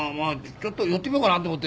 ちょっと寄ってみようかなと思って。